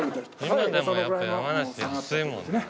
今でもやっぱ山梨安いもんな。